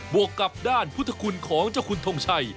วกกับด้านพุทธคุณของเจ้าคุณทงชัย